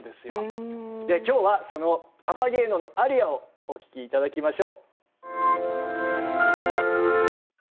今日はそのパパゲーノのアリアをお聴き頂きましょう。